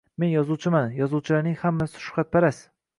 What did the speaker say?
Men yozuvchiman, yozuvchilarning hammasi shuhratpast.